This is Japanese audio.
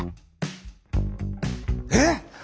えっ！？